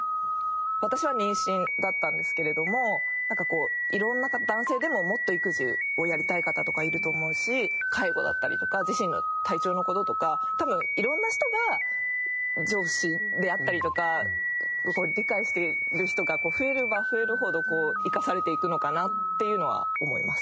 私は妊娠だったんですけれどもなんかこう色んな方男性でももっと育児をやりたい方とかいると思うし介護だったりとか自身の体調の事とか多分色んな人が上司であったりとか理解してる人が増えれば増えるほど生かされていくのかなっていうのは思います。